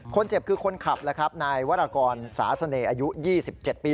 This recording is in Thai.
คนเจ็บคือคนขับแล้วครับนายวรกรสาเสน่ห์อายุ๒๗ปี